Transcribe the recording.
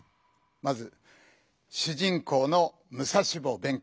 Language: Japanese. まず主人公の武蔵坊弁慶。